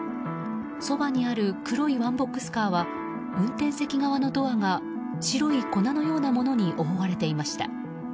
そばにある黒いワンボックスカーは運転席側のドアが白い粉のようなものに覆われていました。